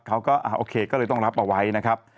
เขาก็โอเคก็เลยต้องรับเอาไว้นะครับ